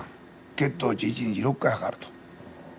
血糖値一日６回測ると。